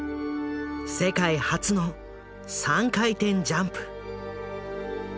世界初の３回転ジャンプ。